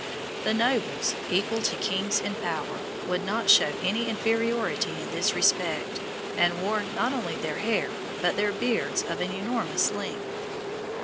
The nobles, equal to kings in power, would not shew any inferiority in this respect, and wore not only their hair, but their beards of an enormous length.